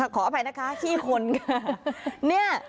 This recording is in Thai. ขออภัยนะคะขี้คนค่ะ